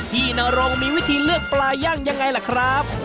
นรงมีวิธีเลือกปลาย่างยังไงล่ะครับ